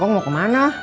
kong mau kemana